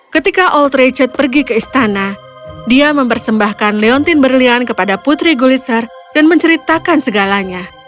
ketika old richard pergi ke istana dia mempersembahkan leontin berlian kepada putri guliser dan menceritakan segalanya